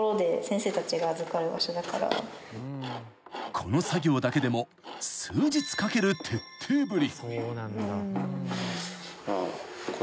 ［この作業だけでも数日かける徹底ぶり］